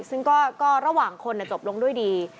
ซึ่งก็ระหว่างคนจบลงด้วยดี